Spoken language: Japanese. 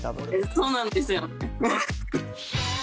そうなんですよね。